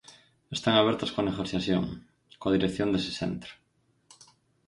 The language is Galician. Están abertas coa negociación, coa dirección dese centro.